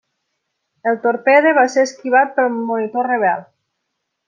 El torpede va ser esquivat pel monitor rebel.